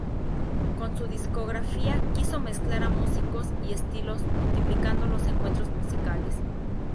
Con su discográfica, quiso mezclar a músicos y estilos, multiplicando los encuentros musicales.